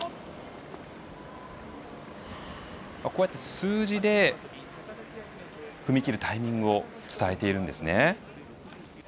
数字で踏み切るタイミングを伝えているんですね。